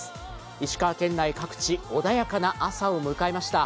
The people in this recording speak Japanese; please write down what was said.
石川県内、各地穏やかな朝を迎えました。